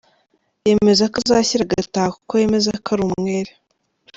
Yizera ko azashyira agataha, kuko yemeza ko ari umwere.